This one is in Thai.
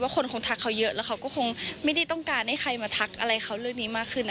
เป็นข้อความที่ถูกใจโดนใจประมาณนั้น